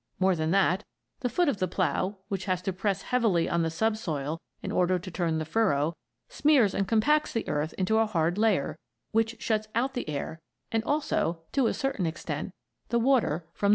More than that, the foot of the plough which has to press heavily on the subsoil in order to turn the furrow, smears and compacts the earth into a hard layer, which shuts out the air, and also to a certain extent the water from the lower levels.